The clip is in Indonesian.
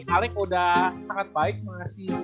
alec udah sangat baik ngasih